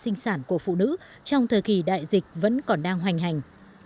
các biện pháp sinh sản của phụ nữ trong thời kỳ đại dịch vẫn còn đang hoành hành